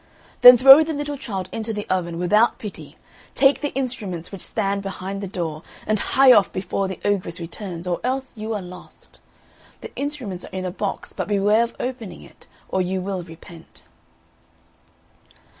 Then throw the little child into the oven without pity, take the instruments which stand behind the door, and hie off before the ogress returns, or else you are lost. The instruments are in a box, but beware of opening it, or you will repent."